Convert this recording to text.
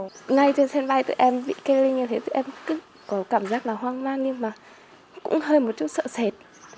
ngay trên sân bay tụi em bị kê linh như thế tụi em cứ có cảm giác là hoang mang nhưng mà cũng hơi một chút sợ sệt